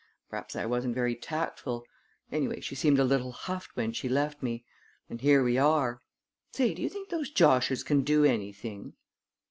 Perhaps I wasn't very tactful. Anyway she seemed a little huffed when she left me and here we are! Say, do you think those joshers can do anything?"